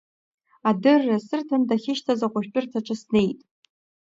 Адырра сырҭан дахьышьҭаз ахәшәтәырҭаҿы снеит.